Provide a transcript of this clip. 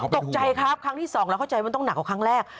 ตกใจครับครั้งที่สองเราเข้าใจมันต้องหนักกว่าครั้งแรก